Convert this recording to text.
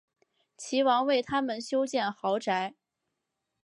齐王为他们修建豪宅。